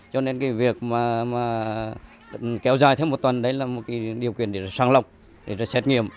cho nên việc kéo dài thêm một tuần là điều kiện để sáng lọc xét nghiệm